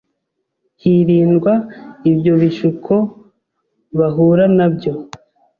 hirindwa ibyo bishuko bahura nabyo